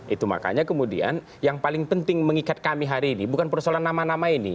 itu makanya kemudian yang paling penting mengikat kami hari ini bukan persoalan nama nama ini